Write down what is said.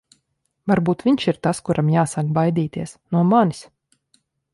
Varbūt viņš ir tas, kuram jāsāk baidīties... no manis.